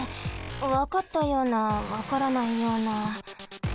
わかったようなわからないような。